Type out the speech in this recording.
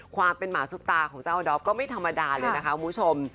ความเป็นหมาซุปตาของเจ้าอดอฟก็ไม่ธรรมดาเลยนะคะคุณผู้ชม